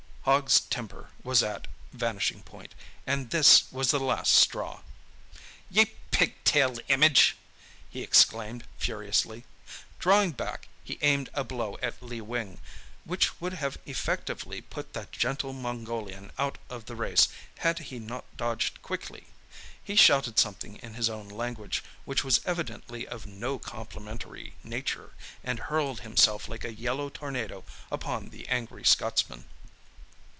Hogg's temper was at vanishing point, and this was the last straw. "Ye pig tailed image!" he exclaimed furiously. Drawing back, he aimed a blow at Lee Wing, which would have effectively put that gentle Mongolian out of the race had he not dodged quickly. He shouted something in his own language, which was evidently of no complimentary nature, and hurled himself like a yellow tornado upon the angry Scotsman.